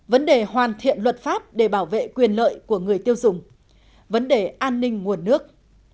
vấn đề hoàn thiện luật pháp để bảo vệ quyền lợi của người tiêu dùng vấn đề an ninh nguồn nước